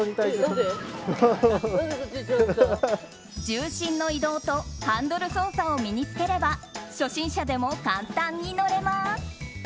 重心の移動とハンドル操作を身に着ければ初心者でも簡単に乗れます。